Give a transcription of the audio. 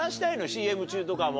ＣＭ中とかも。